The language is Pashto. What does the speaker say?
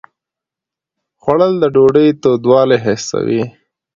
خوړل د ډوډۍ تودوالی حسوي